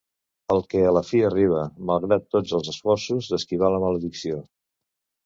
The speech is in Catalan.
El que a la fi arriba, malgrat tots els esforços d'esquivar la maledicció.